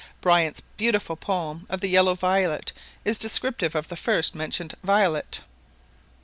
Bryant's beautiful poem of the Yellow Violet is descriptive of the first mentioned violet.